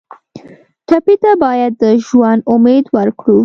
ټپي ته باید د ژوند امید ورکړو.